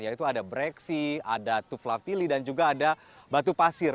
yaitu ada breksi ada tuflapili dan juga ada batu pasir